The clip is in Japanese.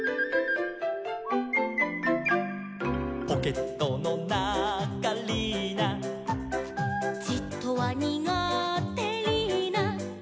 「ポケットのなかリーナ」「じっとはにがてリーナ」